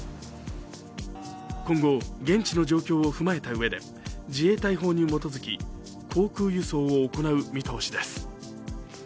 今後、現地の状況を踏まえたうえで自衛隊法に基づき航空輸送を行う見通しです。